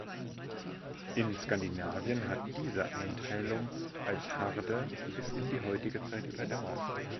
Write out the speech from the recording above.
In Skandinavien hat diese Einteilung als Harde bis in die heutige Zeit überdauert.